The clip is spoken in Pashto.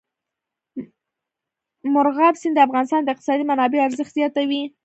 مورغاب سیند د افغانستان د اقتصادي منابعو ارزښت زیاتوي.